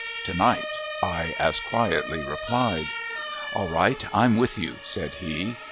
"To night," I as quietly replied. "All right, I'm with you," said he.